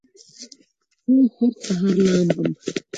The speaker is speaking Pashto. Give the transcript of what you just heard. زه هر سهار لامبم